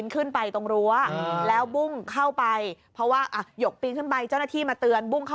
ครับก็แต่